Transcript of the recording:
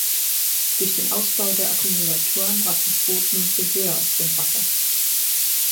Durch den Ausbau der Akkumulatoren ragt das Boot nun viel höher aus dem Wasser.